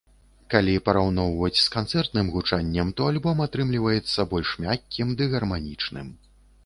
Калі параўноўваць з канцэртным гучаннем, то альбом атрымліваецца больш мяккім ды гарманічным.